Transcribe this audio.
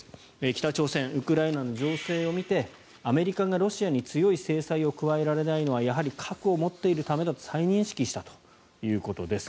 北朝鮮はウクライナの情勢を見てアメリカがロシアに強い制裁を加えられないのはやはり核を持っているためだと再認識したということです。